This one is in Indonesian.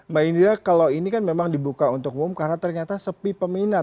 mbak indra kalau ini kan memang dibuka untuk umum karena ternyata sepi peminat